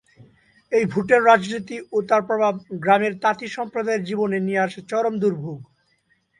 এই ভোটের রাজনীতি ও তার প্রভাব গ্রামের তাঁতি সম্প্রদায়ের জীবনে নিয়ে আসে চরম দুর্ভোগ।